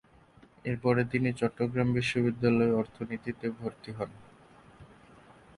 এর পরে তিনি চট্টগ্রাম বিশ্ববিদ্যালয়ে অর্থনীতিতে ভর্তি হন।